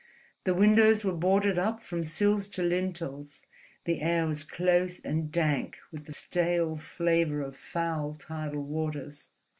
The windows were boarded up from sills to lintels, the air was close and dank with the stale flavour of foul tidal waters.